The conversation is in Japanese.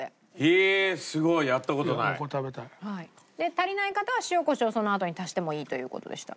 足りない方は塩コショウをそのあとに足してもいいという事でした。